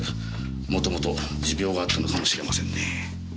もともと持病があったのかもしれませんね。